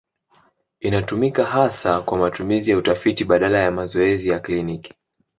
Inatumika hasa kwa matumizi ya utafiti badala ya mazoezi ya kliniki.